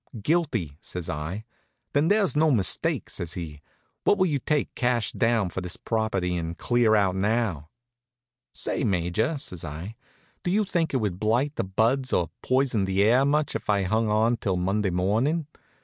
"Guilty," says I. "Then there's no mistake," says he. "What will you take, cash down, for this property, and clear out now?" "Say, Major," says I, "do you think it would blight the buds or poison the air much if I hung on till Monday morning?